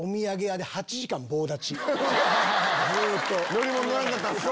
乗り物乗らなかったんすか。